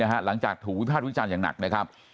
หลังจากถูกวิภาควิจารณ์อย่างหนักนะครับ